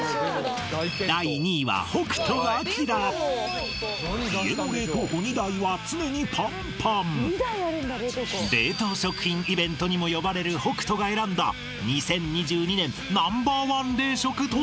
第２位は北斗晶冷凍食品イベントにも呼ばれる北斗が選んだ２０２２年Ｎｏ．１冷食とは？